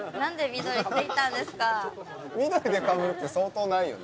緑でかぶるって相当ないよね。